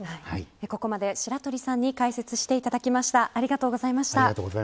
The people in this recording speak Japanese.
ここまで白鳥さんに解説していただきました。